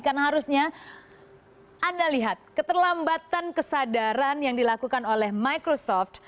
karena harusnya anda lihat keterlambatan kesadaran yang dilakukan oleh microsoft